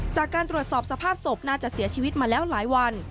จากการตรวจสอบสภาพศพน่าจะเสียชีวิตมาแล้วหลายวัน